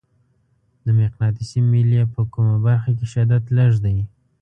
د مقناطیسي میلې په کومه برخه کې شدت لږ دی؟